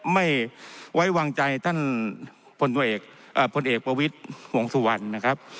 ไม่ไว้วางใจท่านผลเอกเอ่อผลเอกประวิทธิ์หวงสุวรรณนะครับ